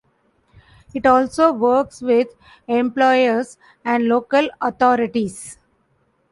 It also works with employers and local authorities.